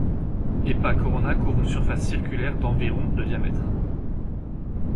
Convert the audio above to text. Hepat Corona couvre une surface circulaire d'environ de diamètre.